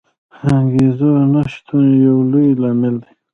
د انګېزو نه شتون یو لوی لامل دی.